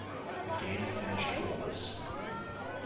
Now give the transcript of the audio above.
The game finished goalless.